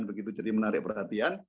begitu jadi menarik perhatian